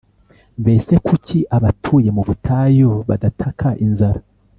Mbese kuki abatuye mu butayu badataka inzara,